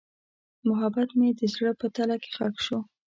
محبت مې د زړه په تله کې ښخ شو.